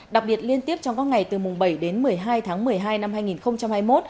đặc biệt liên tiếp trong các ngày từ mùng bảy đến một mươi hai tháng một mươi hai năm hai nghìn hai mươi một